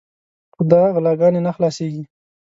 خو دا غلاګانې نه خلاصېږي.